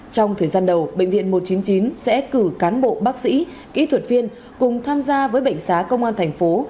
trong thời gian đầu bệnh viện một trăm chín mươi chín sẽ cử cán bộ bác sĩ kỹ thuật viên cùng tham gia với bệnh xá công an thành phố